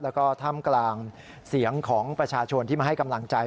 แล้วก็ท่ามกลางเสียงของประชาชนที่มาให้กำลังใจ